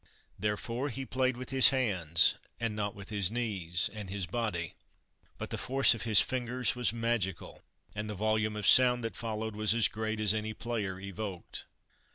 Therefore he played with his hands, and not with his knees and his body. But the force of his fingers was magical, and the volume of sound that followed was as great as any player evoked.